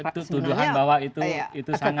itu tuduhan bahwa itu sangat